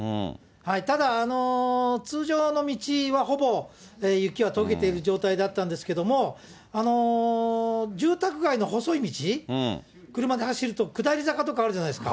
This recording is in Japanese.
ただ、通常の道はほぼ雪はとけている状態だったんですけれども、住宅街の細い道、車で走ると下り坂とかあるじゃないですか。